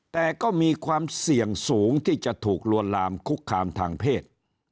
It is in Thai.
แต่ก็มีความเสี่ยงสูงที่จะถูกลวนลามคุกคามทางเพศ